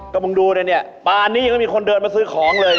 ก็มึงดูเลยเนี่ยปานนี้ยังไม่มีคนเดินมาซื้อของเลย